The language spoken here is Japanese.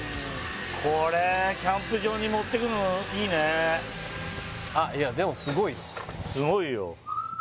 これキャンプ場に持ってくのいいねあっいやでもすごいねすごいよ